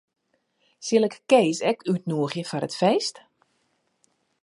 Sil ik Kees ek útnûgje foar it feest?